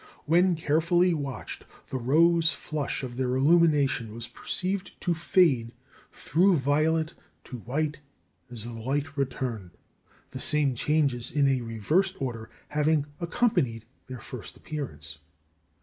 When carefully watched, the rose flush of their illumination was perceived to fade through violet to white as the light returned, the same changes in a reversed order having accompanied their first appearance.